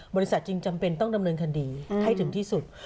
บริษัทจึงจำเป็นต้องดำเนินคดีให้ถึงที่สุด